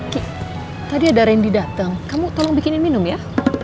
ki tadi ada randy datang kamu tolong bikinin minum ya